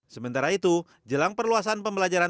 sementara itu jelang perluasan pembelajaran